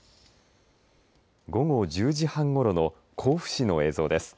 午後１０時半ごろの甲府市の映像です。